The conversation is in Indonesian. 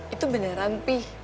itu beneran pi